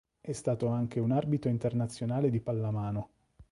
È stato anche un arbitro internazionale di pallamano.